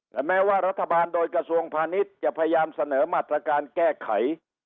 แต่แม้ว่ารัฐบาลโดยกระทรวงพาณิชย์จะพยายามเสนอมาตรการแก้ไข